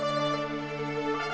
akhirnya teleponnya diangkat